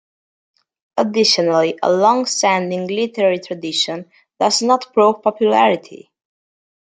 Additionally a long-standing literary tradition does not prove popularity.